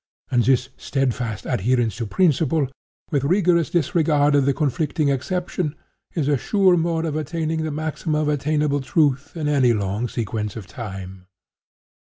And this steadfast adherence to principle, with rigorous disregard of the conflicting exception, is a sure mode of attaining the maximum of attainable truth, in any long sequence of time.